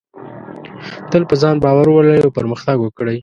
تل په ځان باور ولرئ او پرمختګ وکړئ.